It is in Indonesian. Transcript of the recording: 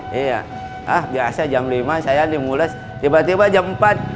iya ah biasa jam lima saya dimules tiba tiba jam empat